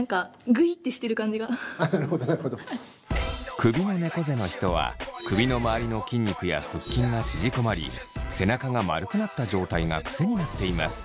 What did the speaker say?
首のねこ背の人は首のまわりの筋肉や腹筋が縮こまり背中が丸くなった状態が癖になっています。